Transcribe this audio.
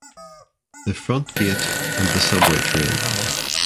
The front gate and the subway train.